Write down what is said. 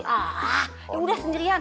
ya udah sendirian